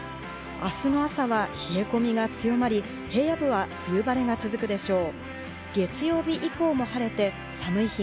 明日の朝は冷え込みが強まり、平野部は冬晴れが続くでしょう。